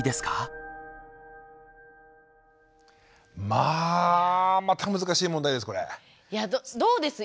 まあまた難しい問題です